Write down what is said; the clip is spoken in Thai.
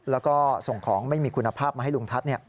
แล้วก็ส่งของไม่มีคุณภาพมาให้ลุงทัศน์